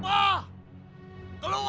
beliau tidak tahu meniru